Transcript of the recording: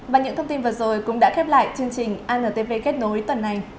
và những thông tin vừa rồi cũng đã khép lại chương trình antv kết nối tuần này